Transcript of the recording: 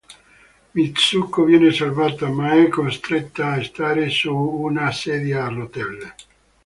Mitsuko viene salvata, ma è costretta a stare su una sedia a rotelle.